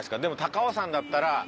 でも高尾山だったら。